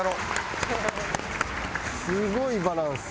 すごいバランス。